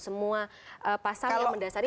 semua pasal yang mendasari